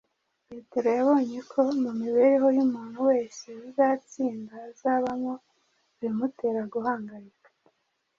petero yabonye ko mu mibereho y’umuntu wese uzatsinda hazabamo ibimutera guhangayika